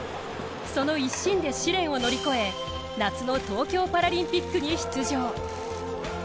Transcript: その一心で試練を乗り越え夏の東京パラリンピックに出場。